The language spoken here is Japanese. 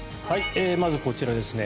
まずこちらですね。